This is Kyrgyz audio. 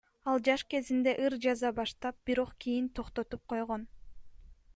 Ал жаш кезинде ыр жаза баштап, бирок кийин токтотуп койгон.